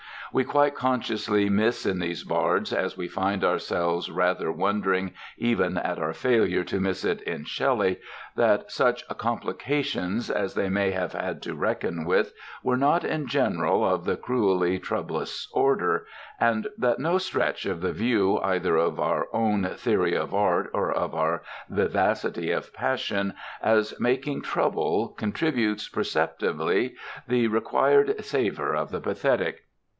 We quite consciously miss in these bards, as we find ourselves rather wondering even at our failure to miss it in Shelley, that such "complications" as they may have had to reckon with were not in general of the cruelly troublous order, and that no stretch of the view either of our own "theory of art" or of our vivacity of passion as making trouble, contributes perceptibly the required savour of the pathetic.